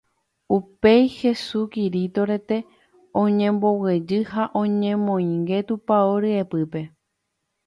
Upéi Hesu Kirito rete oñemboguejy ha oñemoinge tupão ryepýpe